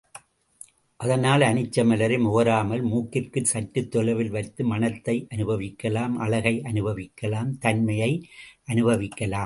அதனால் அனிச்சமலரை முகராமல் மூக்கிற்குச் சற்றுத் தொலைவில் வைத்து மணத்தை அனுபவிக்கலாம் அழகை அனுபவிக்கலாம் தன்மையை அனுபவிக்கலாம்.